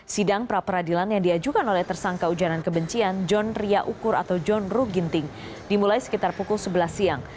sidang pra peradilan yang diajukan oleh tersangka ujaran kebencian john ria ukur atau john ruh ginting dimulai sekitar pukul sebelas siang